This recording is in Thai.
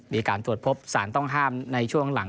มีการตรวจพบสารต้องห้ามในช่วงหลัง